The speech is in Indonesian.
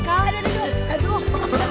kamu udah lihat kam